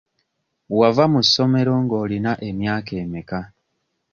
Wava mu ssomero ng'olina emyaka emeka?